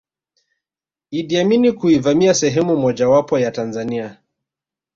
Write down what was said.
Iddi Amini kuivamia sehemu mojawapo ya Tanzania